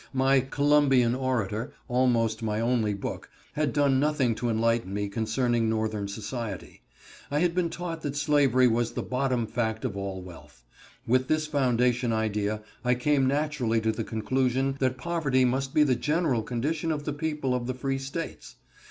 My "Columbian Orator," almost my only book, had done nothing to enlighten me concerning Northern society. I had been taught that slavery was the bottom fact of all wealth. With this foundation idea, I came naturally to the conclusion that poverty must be the general condition of the people of the free States.